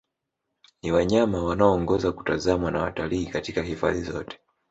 Ni wanyama wanaoongoza kutazamwa na watalii katika hifadhi zote